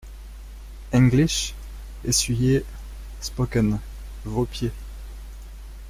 English, essuyez… spoken, vos pieds.